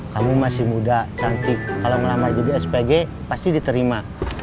kamu masih muda cantik kalau ngelamar jadi spg pasti diterima